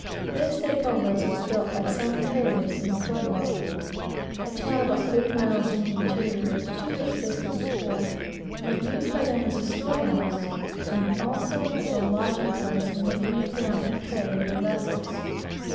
This, they told us, was built by some traders in the Pueblo, (a town about thirty miles in the interior, to which this was the port,) and used by them as a storehouse, and also as a lodging place when they came down to trade with the vessels.